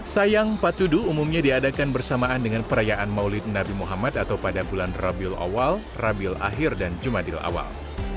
sayang patudu umumnya diadakan bersamaan dengan perayaan maulid nabi muhammad atau pada bulan rabiul awal rabil akhir dan jumadil awal